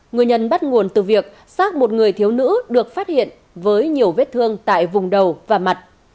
người nhân bắt nguồn từ việc xác một người thiếu nữ được phát hiện với nhiều vết thương tại vùng đầu và mặt